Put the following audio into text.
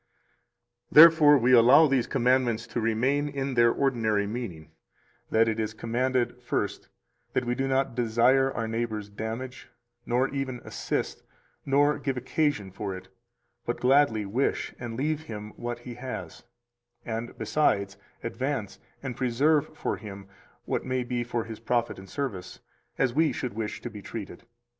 309 Therefore we allow these commandments to remain in their ordinary meaning, that it is commanded, first, that we do not desire our neighbor's damage, nor even assist, nor give occasion for it, but gladly wish and leave him what he has, and, besides, advance and preserve for him what may be for his profit and service, as we should wish to be treated.